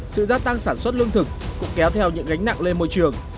sự gia tăng sản xuất lương thực cũng kéo theo những gánh nặng lên môi trường